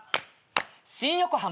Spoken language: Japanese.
新横浜。